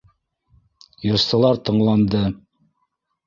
Йырсылар тыңланды.